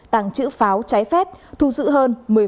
tàng trữ pháo trái phép thu giữ hơn một mươi một tấn pháo nổ